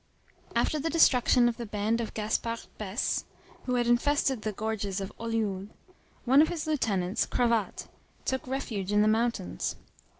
After the destruction of the band of Gaspard Bès, who had infested the gorges of Ollioules, one of his lieutenants, Cravatte, took refuge in the mountains.